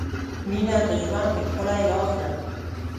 • مینه د ژوند ښکلی راز دی.